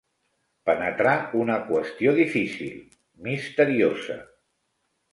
Penetrar una qüestió difícil, misteriosa.